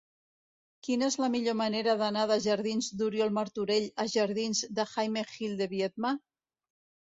Quina és la millor manera d'anar dels jardins d'Oriol Martorell als jardins de Jaime Gil de Biedma?